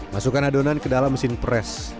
masukkan adonan ke dalam mesin pres